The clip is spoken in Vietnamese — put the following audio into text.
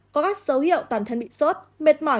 có các dấu hiệu bản thân bị sốt mệt mỏi